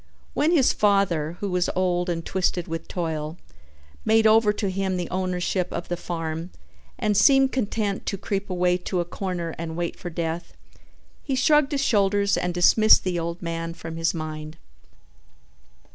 When his father, who was old and twisted with toil, made over to him the ownership of the farm and seemed content to creep away to a corner and wait for death, he shrugged his shoulders and dismissed the old man from his mind.